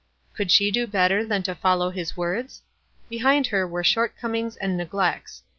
Could she do better than to fol low his words? Behind her were shortcomings and neglects.